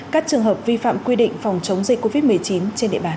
các trường hợp vi phạm quy định phòng chống dịch covid một mươi chín trên địa bàn